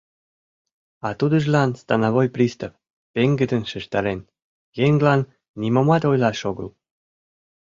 А тудыжлан становой пристав пеҥгыдын шижтарен, еҥлан нимомат ойлаш огыл.